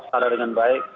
berjalan dengan baik